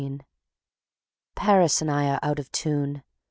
Paris and I are out of tune.